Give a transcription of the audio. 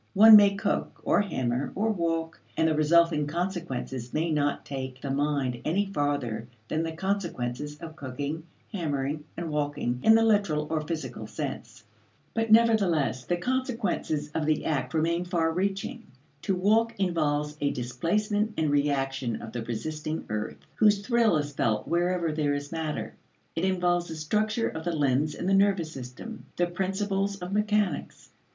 One may cook, or hammer, or walk, and the resulting consequences may not take the mind any farther than the consequences of cooking, hammering, and walking in the literal or physical sense. But nevertheless the consequences of the act remain far reaching. To walk involves a displacement and reaction of the resisting earth, whose thrill is felt wherever there is matter. It involves the structure of the limbs and the nervous system; the principles of mechanics.